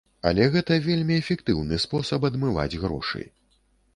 Але гэта вельмі эфектыўны спосаб адмываць грошы.